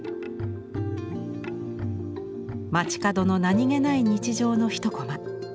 街角の何気ない日常の一コマ。